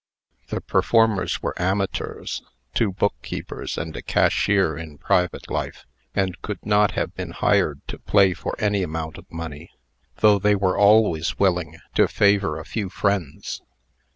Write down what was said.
The performers were amateurs (two bookkeepers, and a cashier in private life), and could not have been hired to play for any amount of money, though they were always willing to favor a few friends.